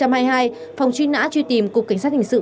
phòng truy nã truy tìm cục cảnh sát hình sự